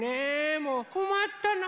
もうこまったな。